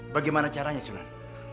bagaimana caranya sunan